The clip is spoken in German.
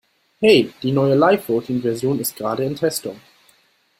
Hey, die neue LiveVoting Version ist gerade in Testung.